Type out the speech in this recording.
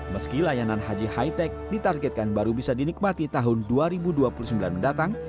meski layanan haji high tech ditargetkan baru bisa dinikmati tahun dua ribu dua puluh sembilan mendatang